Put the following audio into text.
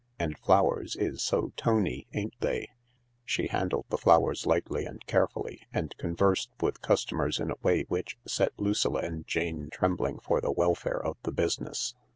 And flowers is so toney, ain't they ?" She handled the flowers lightly and carefully, and con versed with customers in a way which set Lucilla and Jane trembling for the welfare of the business.